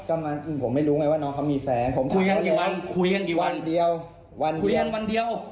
ไม่ผมไม่รู้คุยกันวันเดียวไม่ได้ไม่ได้